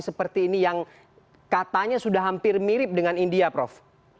seperti ini yang katanya sudah hampir mirip dengan india prof